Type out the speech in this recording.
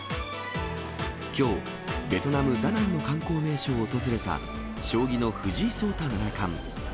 きょう、ベトナム・ダナンの観光名所を訪れた将棋の藤井聡太七冠。